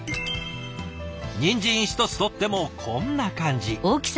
にんじん１つとってもこんな感じ。